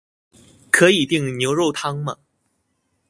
可以訂牛肉湯嗎？